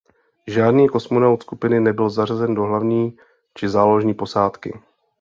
Žádný kosmonaut skupiny nebyl zařazen do hlavní či záložní posádky.